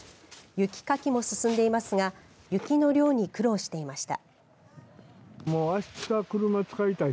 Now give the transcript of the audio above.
雪かきも進んでいますが雪の量に苦労していました。